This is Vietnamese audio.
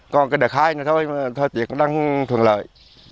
còn đợt hai này thôi thời tiết đang thường lợi